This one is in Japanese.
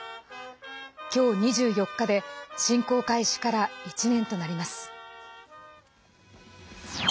今日２４日で侵攻開始から１年となります。